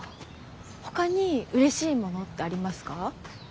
ほかにうれしいものってありますか？